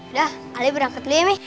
udah ali berangkat dulu ya mi